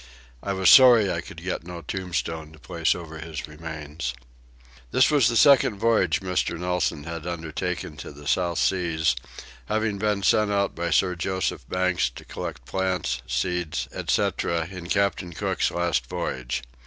I was sorry I could get no tombstone to place over his remains. This was the second voyage Mr. Nelson had undertaken to the South Seas, having been sent out by Sir Joseph Banks to collect plants, seeds, etc. in Captain Cook's last voyage.